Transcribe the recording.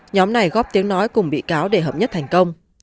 nhóm này góp tiếng nói cùng bị cáo để hợp nhất thành công